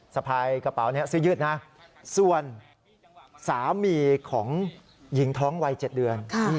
สะพายกระเป๋านี้เสื้อยืดนะส่วนสามีของหญิงท้องวัย๗เดือน